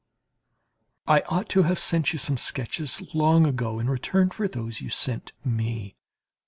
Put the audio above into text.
I ought to have sent you some sketches long ago, in return for those you sent me.